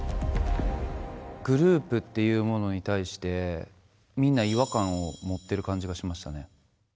グループというものに対してみんな違和感を持ってる感じがしましたね。